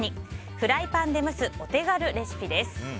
フライパンで蒸すお手軽レシピです。